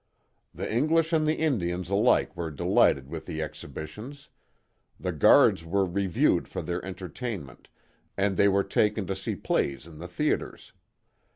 The English and the Indians alike were delighted with the exhi bitions. The guards were reviewed for their entertainment, and they were taken to see plays in the theatres.